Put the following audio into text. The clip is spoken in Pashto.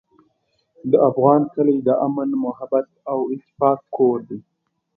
د افغان کلی د امن، محبت او اتفاق کور دی.